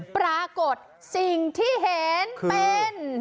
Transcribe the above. ปรากฏสิ่งที่เห็นเป็น